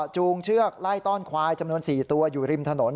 จูงเชือกไล่ต้อนควายจำนวน๔ตัวอยู่ริมถนน